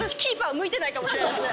向いてないかもしれないですね。